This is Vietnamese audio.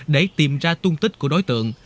để tìm ra tung tích của đối tượng